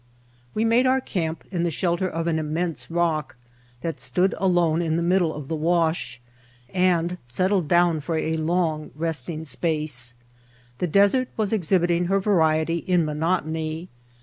We made our camp in the shelter of an im mense rock that stood alone in the middle of the wash, and settled down for a long resting space. The desert was exhibiting her variety in monot ony.